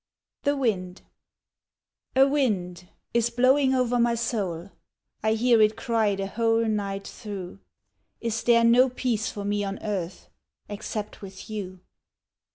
The Wind A wind is blowing over my soul, I hear it cry the whole night through Is there no peace for me on earth Except with you?